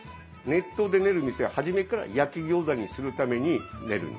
熱湯で練る店は初めから焼き餃子にするために練るんです。